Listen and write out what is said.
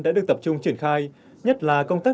đã được tập trung triển khai nhất là công tác